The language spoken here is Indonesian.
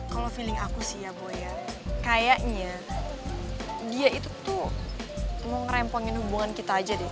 kalau feeling aku sih ya bu ya kayaknya dia itu tuh mau ngerempongin hubungan kita aja deh